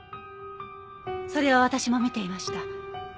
それは私も見ていました。